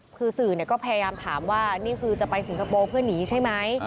คือสื่อก็พยายามถามว่านี่คือจะไปสิงคโปร์เพื่อหนีใช่ไหม